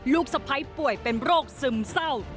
สะพ้ายป่วยเป็นโรคซึมเศร้า